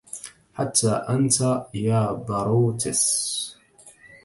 حتى أنتَ يا بروتوس؟